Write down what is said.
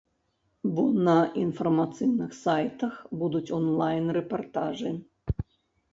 Бо на інфармацыйных сайтах будуць онлайн рэпартажы.